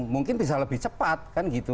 mungkin bisa lebih cepat kan gitu